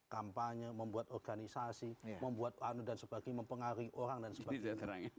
kampanye membuat organisasi membuat anu dan sebagainya mempengaruhi orang dan sebagainya